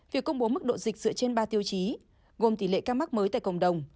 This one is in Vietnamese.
việc công bố mức độ dịch dựa trên ba tiêu chí gồm tỷ lệ ca mắc mới tại cộng đồng